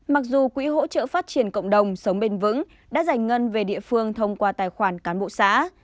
mặc dù quỹ hỗ trợ phát triển cộng đồng sống bền vững đã giành ngân về địa phương thông qua tài khoản cán bộ xã